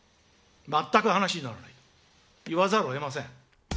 全く話にならないと言わざるをえません。